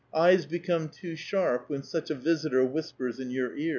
Eyes become too sharp, when such a ^^ visitor" whispers in your ear.